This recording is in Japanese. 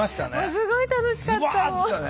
すごい楽しかったもう。